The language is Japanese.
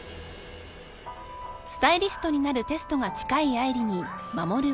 ［スタイリストになるテストが近い愛梨に守は］